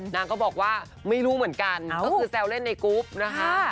นางก็บอกว่าไม่รู้เหมือนกันก็คือแซวเล่นในกรุ๊ปนะคะ